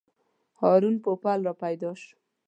هارون پوپل راپیدا شو.